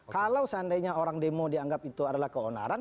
kalau seandainya orang demo dianggap itu adalah keonaran